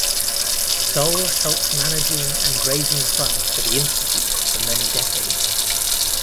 Solh helped managing and raising funds for the institute for many decades.